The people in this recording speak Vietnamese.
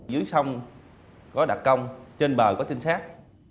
dưới sông có đặc công trên bờ có trinh sát